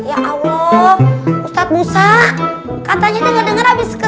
awal ustadz musa katanya nggak dengar habis ke enam